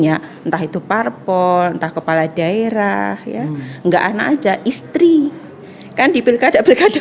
ya entah itu parpol entah kepala daerah ya enggak anak aja istri kan di pilkada pilkada